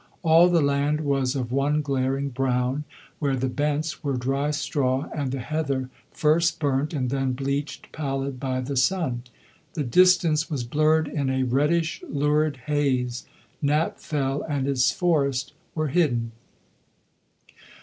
All the land was of one glaring brown, where the bents were dry straw, and the heather first burnt and then bleached pallid by the sun. The distance was blurred in a reddish lurid haze; Knapp Fell and its forest were hidden.